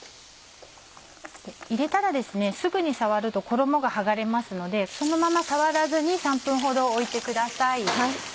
入れたらすぐに触ると衣がはがれますのでそのまま触らずに３分ほどおいてください。